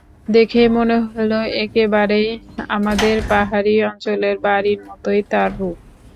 দেখে মনে হলো, একেবারেই আমাদের পাহাড়ি অঞ্চলের বাড়ির মতোই তার রূপ।